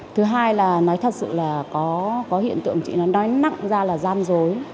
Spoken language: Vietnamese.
thứ hai là nói thật sự là có hiện tượng chị nói nặng ra là gian dối